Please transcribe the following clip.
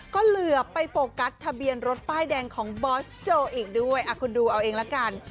ก็เหลือไปโฟกัสทะเบียนรถป้ายแดงของบอสโจอีกด้วยคุณดูเอาเองละกัน